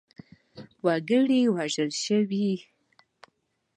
وګړي وژل شوي.